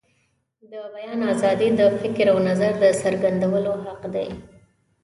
د بیان آزادي د فکر او نظر د څرګندولو حق دی.